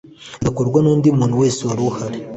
rigakorwa n undi muntu wese wari uhari